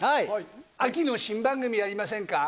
秋の新番組やりませんか。